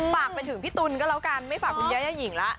ฝากไปถึงพี่ตุ๋นก็แล้วกันไม่ฝากคุณยาย่าหญิงละ